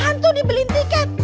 hantu dibeliin tiket